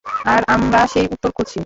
আর আমরা সেই উত্তর খুঁজছি।